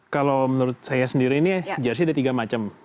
kalau menurut saya sendiri ini jersi ada tiga macam